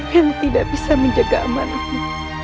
yang tidak bisa menjaga amanatmu